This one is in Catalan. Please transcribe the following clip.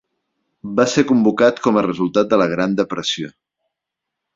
Va ser convocat com a resultat de la Gran Depressió.